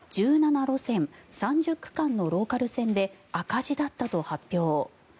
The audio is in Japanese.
路線３０区間のローカル線で赤字だったと発表。